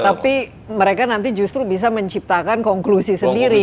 tapi mereka nanti justru bisa menciptakan konklusi sendiri